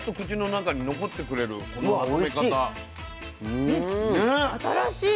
うん新しい。